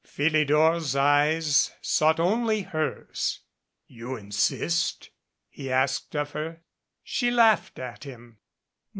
Philidor's eyes sought only hers. "You insist ?" he asked of her. She laughed at him.